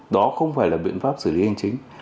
đó không phải là biện pháp xử lý hành chính